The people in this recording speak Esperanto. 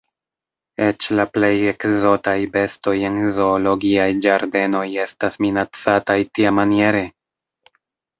Eĉ la plej ekzotaj bestoj en zoologiaj ĝardenoj estas minacataj tiamaniere!